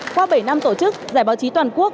qua bảy năm tổ chức giải báo chí toàn quốc